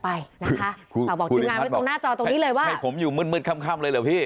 ให้ผมอยู่มืดค่ำเลยเหรอพี่